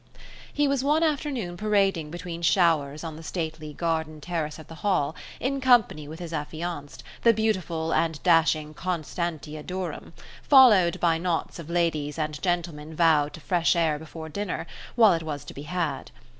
He was one afternoon parading between showers on the stately garden terrace of the Hall, in company with his affianced, the beautiful and dashing Constantia Durham, followed by knots of ladies and gentlemen vowed to fresh air before dinner, while it was to be had.